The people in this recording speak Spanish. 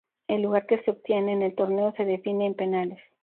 El lugar que se obtiene en el torneo se define en penales.